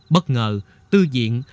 bất ngờ tư diện